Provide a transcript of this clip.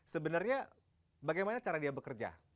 sebenarnya bagaimana cara dia bekerja